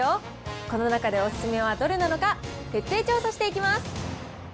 この中でお勧めはどれなのか、徹底調査していきます。